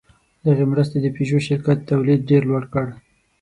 دغې مرستې د پيژو شرکت تولید ډېر لوړ کړ.